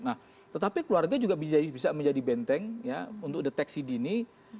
nah tetapi keluarga juga bisa menjadi benteng ya untuk deteksi dini